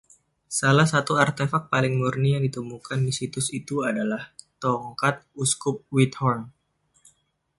Salah satu artefak paling murni yang ditemukan di situs itu adalah tongkat uskup Whithorn.